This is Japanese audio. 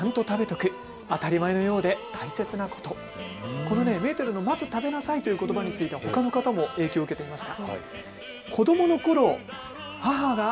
このメーテルのまず食べないということばについてはほかの方も影響を受けていました。